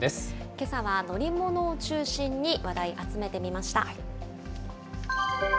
けさは乗り物を中心に話題、集めてみました。